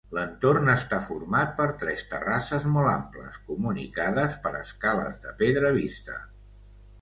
L’entorn està format per tres terrasses molt amples, comunicades per escales de pedra vista.